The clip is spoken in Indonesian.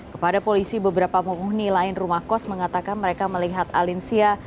kepada polisi beberapa penghuni lain rumah kos mengatakan mereka melihat alinsia